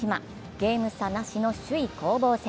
ゲーム差なしの首位攻防戦。